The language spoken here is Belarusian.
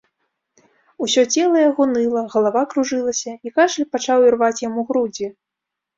Усё цела яго ныла, галава кружылася, і кашаль пачаў ірваць яму грудзі.